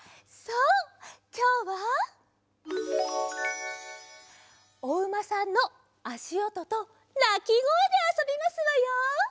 そうきょうはおうまさんのあしおととなきごえであそびますわよ！